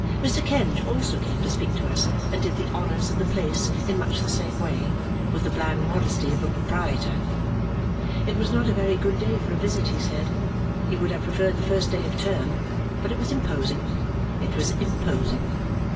Mr. Kenge also came to speak to us and did the honours of the place in much the same way, with the bland modesty of a proprietor. It was not a very good day for a visit, he said; he would have preferred the first day of term; but it was imposing, it was imposing.